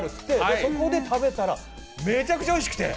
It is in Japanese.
そこで食べたら、めちゃくちゃおいしくて。